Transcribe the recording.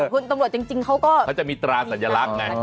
คุณตำรวจจริงเขาก็เขาจะมีตราสัญลักษณ์ไง